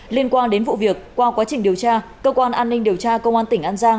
liên quan đến vụ việc qua quá trình điều tra cơ quan an ninh điều tra công an tỉnh an giang